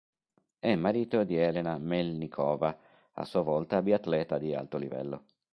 È marito di Elena Mel'nikova, a sua volta biatleta di alto livello.